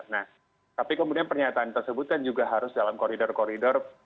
nah tapi kemudian pernyataan tersebut kan juga harus dalam koridor koridor